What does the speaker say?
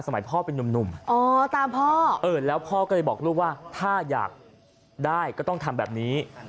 พ่อเป็นนุ่มอ๋อตามพ่อแล้วพ่อก็เลยบอกลูกว่าถ้าอยากได้ก็ต้องทำแบบนี้